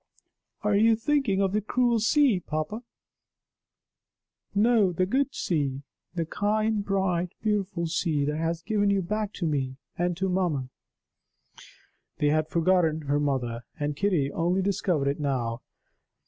"Are you thinking of the cruel sea, papa? No! the good sea, the kind, bright, beautiful sea that has given you back to me, and to mamma !" They had forgotten her mother! and Kitty only discovered it now.